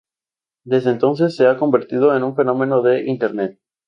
Desde entonces se ha convertido en un fenómeno de internet.